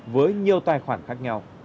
với nhiều tài khoản khác